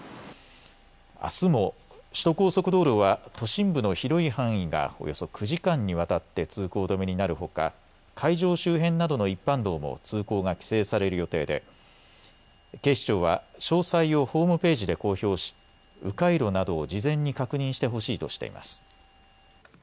あすも首都高速道路は都心部の広い範囲がおよそ９時間にわたって通行止めになるほか会場周辺などの一般道も通行が規制される予定で警視庁は詳細をホームページで公表し、う回路などを事前に確認してほしいとしています。